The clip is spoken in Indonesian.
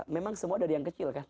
memang semua dari yang kecil kan